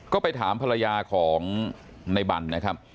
ก็ไปถามภรรยาของในบันนะครับ